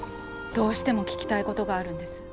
どうしても聞きたいことがあるんです。